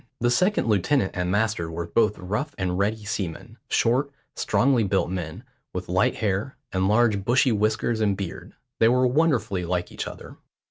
The second lieutenant and master were both rough and ready seamen, short, strongly built men, with light hair, and large bushy whiskers and beard; they were wonderfully like each other.